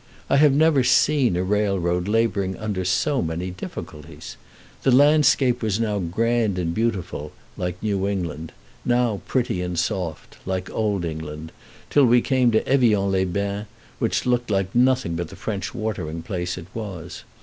I have never seen a railroad laboring under so many difficulties. The landscape was now grand and beautiful, like New England, now pretty and soft, like Old England, till we came to Evains les Bains, which looked like nothing but the French watering place it was.